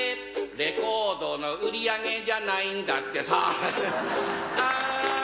レコードの売り上げじゃないんだってさ